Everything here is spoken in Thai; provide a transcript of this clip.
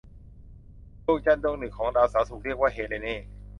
ดวงจันทร์ดวงหนึ่งของดาวเสาร์ถูกเรียกว่าเฮเลเน่.